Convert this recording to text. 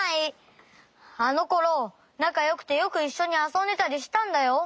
あのころなかよくてよくいっしょにあそんでたりしたんだよ。